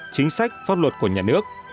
chính sách pháp luật của nhà nước